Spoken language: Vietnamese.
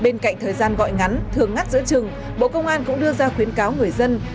bên cạnh thời gian gọi ngắn thường ngắt giữa trừng bộ công an cũng đưa ra khuyến cáo người dân